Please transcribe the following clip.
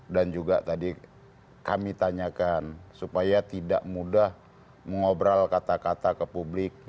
dan juga tadi kami tanyakan supaya tidak mudah mengobrol kata kata ke publik